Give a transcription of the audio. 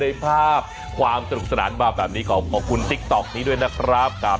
ภาพความสนุกสนานมาแบบนี้ขอขอบคุณติ๊กต๊อกนี้ด้วยนะครับ